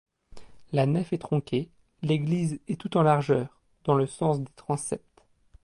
La nef est tronquée, l'église est tout en largeur, dans le sens des transepts.